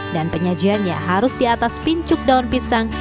dan penyajiannya harus di atas pincuk daun pisang